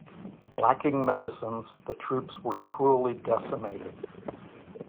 Lacking medicines, the troops were cruelly decimated.